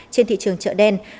trên thị trường chợ đen